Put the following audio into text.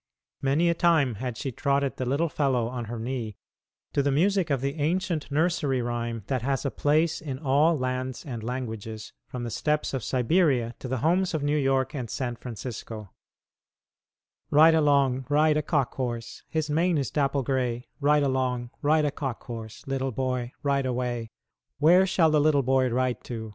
Many a time she had trotted the little fellow on her knee to the music of the ancient nursery rhyme that has a place in all lands and languages, from the steppes of Siberia to the homes of New York and San Francisco: "Ride along, ride a cock horse, His mane is dapple gray; Ride along, ride a cock horse, Little boy, ride away. Where shall the little boy ride to?